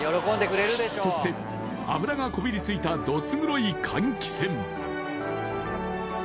そして油がこびりついたどす黒い換気扇。